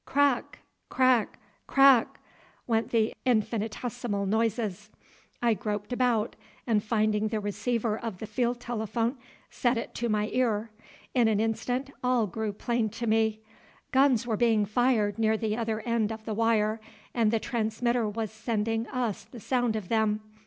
Crack, crack, crack! went the infinitesimal noises. I groped about, and finding the receiver of the field telephone, set it to my ear. In an instant all grew plain to me. Guns were being fired near the other end of the wire, and the transmitter was sending us the sound of them.